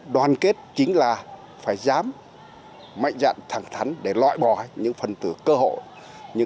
đoàn kết chính là phải dám mạnh dạn thẳng thắn để loại bỏ những phần tựa cơ hội